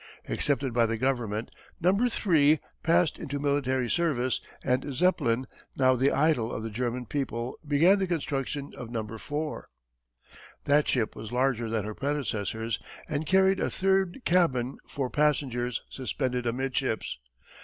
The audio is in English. Accepted by the government "No. III." passed into military service and Zeppelin, now the idol of the German people, began the construction of "No. IV." That ship was larger than her predecessors and carried a third cabin for passengers suspended amidships.